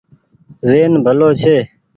زهين ڀلو ڇي۔